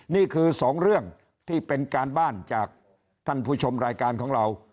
นี่คือสองเรื่องที่เป็นการบ้านจากท่านผู้ชมรายการของเรา